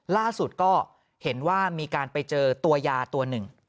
ล่าสุดก็เห็นว่ามีการไปเจอตัวยาตัวหนึ่ง